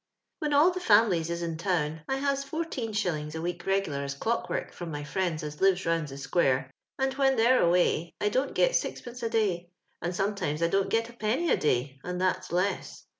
" When all the fam'lies is in town I has 14j. a week reg'lar as clock work from my friends as lives round the square, and when they're away I don't got Crf. a day, and sometimes I don't get Id. a day, and that's less.